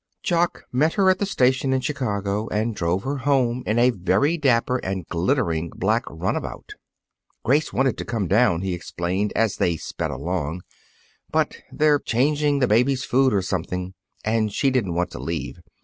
Jock met her at the station in Chicago and drove her home in a very dapper and glittering black runabout. "Grace wanted to come down," he explained, as they sped along, "but they're changing the baby's food or something, and she didn't want to leave.